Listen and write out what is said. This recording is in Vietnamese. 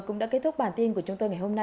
cũng đã kết thúc bản tin của chúng tôi